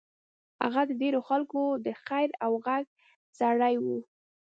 هغه د ډېرو خلکو د خېر او غږ سړی و.